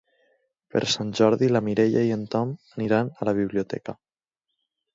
Per Sant Jordi na Mireia i en Tom aniran a la biblioteca.